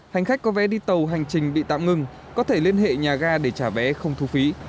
hành khách có vé đi tàu hành trình bị tạm ngừng có thể liên hệ nhà ga để trả vé không thu phí